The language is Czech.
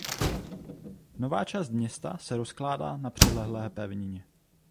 Nová část města se rozkládá na přilehlé pevnině.